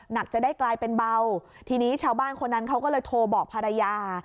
จะได้กลายเป็นเบาทีนี้ชาวบ้านคนนั้นเขาก็เลยโทรบอกภรรยา